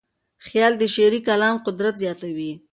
خیال د شعري کلام قدرت زیاتوي.